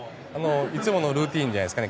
いつものルーチンじゃないですか。